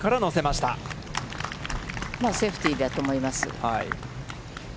まあセーフティーだと思います。